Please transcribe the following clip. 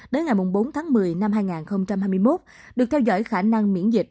đến ngày bốn tháng một mươi năm hai nghìn hai mươi một được theo dõi khả năng miễn dịch